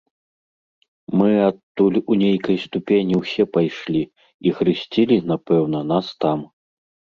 Мы адтуль у нейкай ступені ўсе пайшлі і хрысцілі, напэўна, нас там.